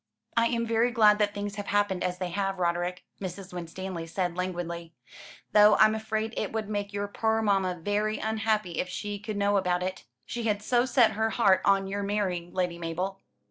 "I am very glad that things have happened as they have, Roderick," Mrs. Winstanley said languidly; "though I'm afraid it would make your poor mamma very unhappy if she could know about it. She had so set her heart on your marrying Lady Mabel."